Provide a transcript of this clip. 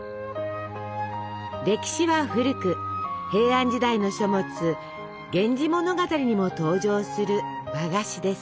歴史は古く平安時代の書物「源氏物語」にも登場する和菓子です。